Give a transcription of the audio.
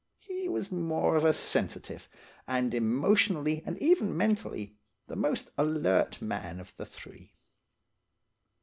He was more of a sensitive, and emotionally and even mentally, the most alert man of the three.